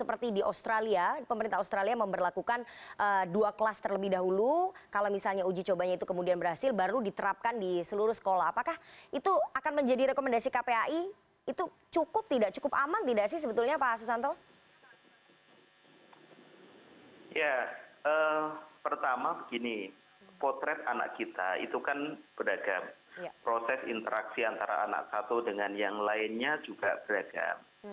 proses interaksi antara anak satu dengan yang lainnya juga beragam